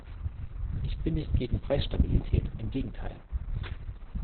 Ich bin nicht gegen Preisstabilität, im Gegenteil.